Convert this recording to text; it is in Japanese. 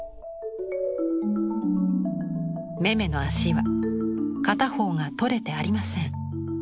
メメの足は片方が取れてありません。